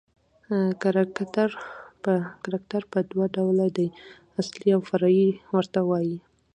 کرکټر په دوه ډوله دئ، اصلي اوفرعي ورته وايي.